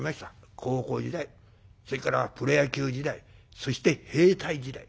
高校時代それからプロ野球時代そして兵隊時代。